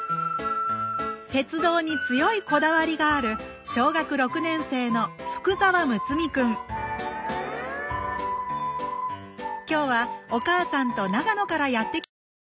鉄道に強いこだわりがある今日はお母さんと長野からやって来てくれました